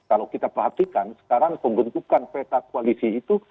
kalau kita perhatikan sekarang pembentukan peta koalisi itu